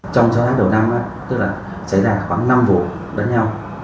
trong sáu tháng đầu năm xảy ra khoảng năm vụ đánh nhau